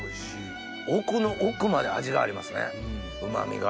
奥の奥まで味がありますねうま味が。